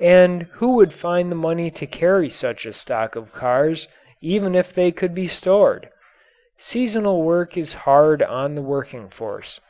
And who would find the money to carry such a stock of cars even if they could be stored? Seasonal work is hard on the working force.